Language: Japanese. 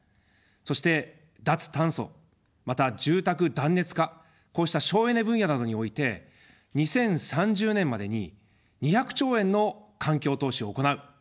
そして脱炭素、また住宅断熱化、こうした省エネ分野などにおいて２０３０年までに２００兆円の環境投資を行う。